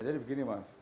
jadi begini mas